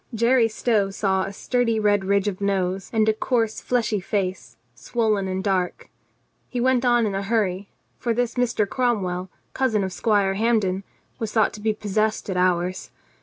Jerry Stow saw a sturdy red ridge of nose and a coarse fleshy face, swollen and dark. He went on in a hurry, for this Mr. Cromwell, cousin of Squire Hampden, was thought to be possessed at hours.